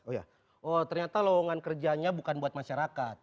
oh ternyata lowongan kerjanya bukan buat masyarakat